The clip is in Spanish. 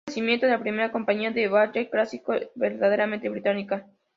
Fue el nacimiento de la primera compañía de ballet clásico verdaderamente británica.